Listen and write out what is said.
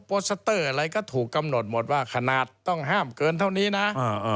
โสเตอร์อะไรก็ถูกกำหนดหมดว่าขนาดต้องห้ามเกินเท่านี้นะ